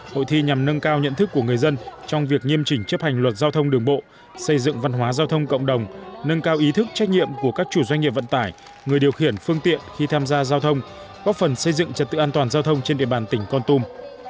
hội thi nhằm nâng cao nhận thức của người dân trong việc nghiêm chỉnh chấp hành luật giao thông đường bộ xây dựng văn hóa giao thông cộng đồng nâng cao ý thức trách nhiệm của các chủ doanh nghiệp vận tải người điều khiển phương tiện khi tham gia giao thông góp phần xây dựng trật tự an toàn giao thông trên địa bàn tỉnh con tum